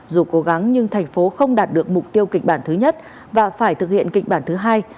dù cố gắng nhưng thành phố không đạt được mục tiêu kịch bản thứ nhất và phải thực hiện kịch bản thứ hai